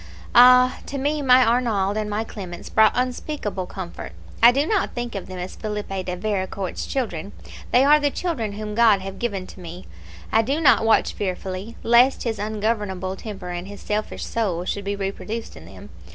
Ah! to me my Arnauld and my Clemence brought unspeakable comfort. I do not think of them as Philippe de Vericourt's children; they are the children whom God have given to me. I do not watch fearfully, lest his ungovernable temper and his selfish soul should be reproduced in them.